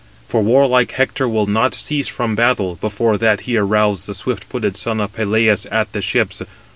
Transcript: For warlike Hector will not cease from battle before that he arouse the swift footed son of Peleus at the ships.